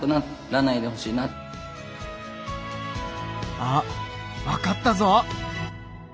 あっわかったぞ！